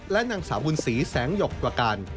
และนางสาวบุญศรีแสงหยกประกัน